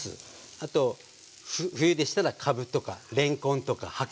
あと冬でしたらかぶとかれんこんとか白菜なんか入れて。